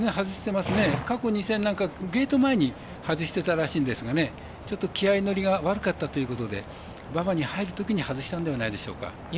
過去２戦、ゲート前に外していたらしいので気合い乗りが悪かったということで馬場に入るときに外したんではないでしょうか。